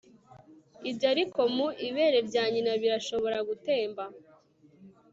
ibyo ariko mu ibere rya nyina birashobora gutemba